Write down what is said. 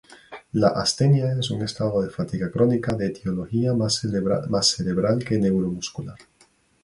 La astenia es un estado de fatiga crónica de etiología más cerebral que neuromuscular.